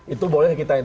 itu boleh kita yang